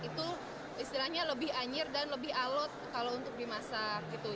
itu istilahnya lebih anjir dan lebih alot kalau untuk dimasak gitu